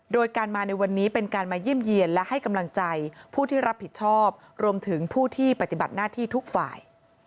โดยการมาในวันนี้เป็นการมาเยี่ยมเยี่ยนและให้กำลังใจผู้ที่รับผิดชอบรวมถึงผู้ที่ปฏิบัติหน้าที่ทุกฝ่าย